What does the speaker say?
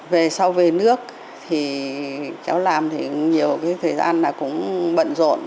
về sau về nước thì cháu làm thì nhiều cái thời gian là cũng bận rộn